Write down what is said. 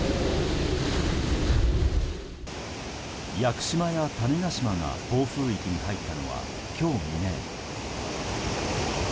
屋久島や種子島が暴風域に入ったのは今日未明。